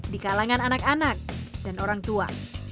di kalangan anak anak dan orang tua